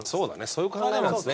そういう考えなんですね。